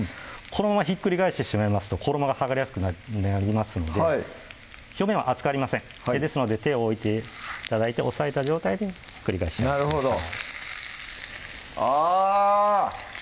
このままひっくり返してしまうと衣が剥がれやすくなりますので表面は熱くありませんですので手を置いて頂いて押さえた状態でひっくり返してなるほどあ！